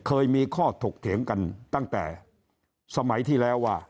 เคยมีข้อถกเถียงกันตั้งแต่สมัยที่แล้วว่า